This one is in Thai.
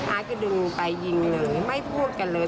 อาร์ตก็ดึงไปยิงเลยไม่พูดกันเลย